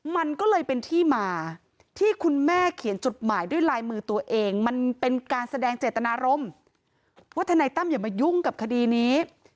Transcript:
มันก็เลยเป็นที่มาที่คุณแม่เขียนจดหมายด้วยลายมือตัวเองมันเป็นการแสดงเจตนารมณ์ว่าทนายตั้มอย่ามายุ่งกับคดีนี้